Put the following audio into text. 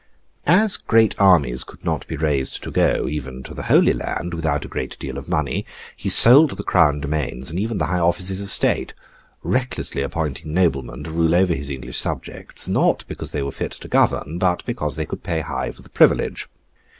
As great armies could not be raised to go, even to the Holy Land, without a great deal of money, he sold the Crown domains, and even the high offices of State; recklessly appointing noblemen to rule over his English subjects, not because they were fit to govern, but because they could pay high for the privilege.